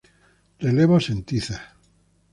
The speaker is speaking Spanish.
Relevos en tiza.